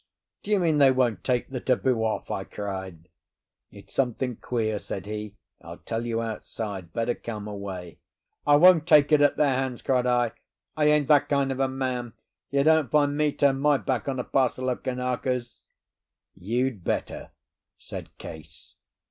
"Do you mean they won't take the taboo off?" I cried. "It's something queer," said he. "I'll tell you outside. Better come away." "I won't take it at their hands," cried I. "I ain't that kind of a man. You don't find me turn my back on a parcel of Kanakas." "You'd better," said Case.